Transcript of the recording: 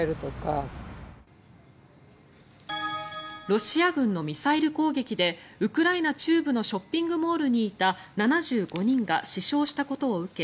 ロシア軍のミサイル攻撃でウクライナ中部のショッピングモールにいた７５人が死傷したことを受け